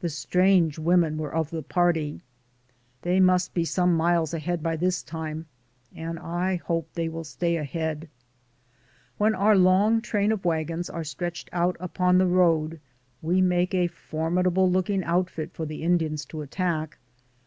The strange women were of the party ; they must be some miles ahead by this time, and I hope they will stay ahead. When our long train of wagons are stretched out upon the road, we make a formidable looking outfit for the Indians to attack.